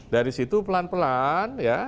dari situ pelan pelan